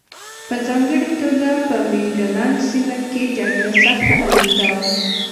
په ځانګړې توګه په مینډلنډ سیمه کې جګړه سخته او اوږده وه.